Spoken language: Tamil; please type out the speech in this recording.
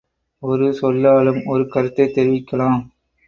ஒரு சொல்லாலும் ஒரு கருத்தைத் தெரிவிக்கலாம்.